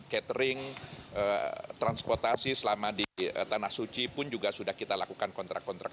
catering transportasi selama di tanah suci pun juga sudah kita lakukan kontrak kontrak